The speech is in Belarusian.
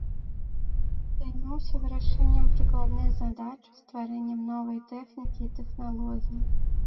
Займаўся вырашэннем прыкладных задач, стварэннем новай тэхнікі і тэхналогій.